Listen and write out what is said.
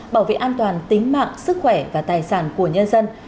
bảo vệ an toàn tính mạng sức khỏe và tài sản của nhân dân